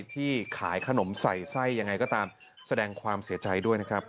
ที่ขายขนมใส่ไส้ยังไงก็ตามแสดงความเสียใจด้วยนะครับ